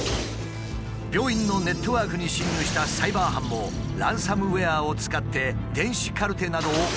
病院のネットワークに侵入したサイバー犯もランサムウエアを使って電子カルテなどを暗号化。